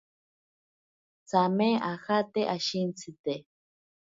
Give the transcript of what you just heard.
Tsame ajate ashintsite.